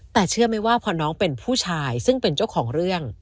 แต่เชื่อไหมว่าพอน้องเป็นผู้ชายซึ่งเป็นเจ้าของเรื่อง